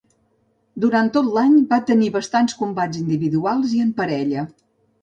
Durant tot l'any va tenir bastants combats individuals i en parella.